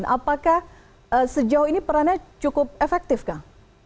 apakah sejauh ini perannya cukup efektif kang